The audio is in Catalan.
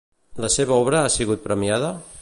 La seva obra ha sigut premiada?